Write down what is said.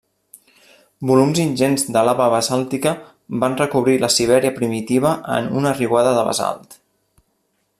Volums ingents de lava basàltica van recobrir la Sibèria primitiva en una riuada de basalt.